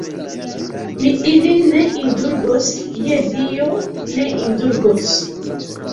Mi ilin ne indulgos, je Dio, ne indulgos.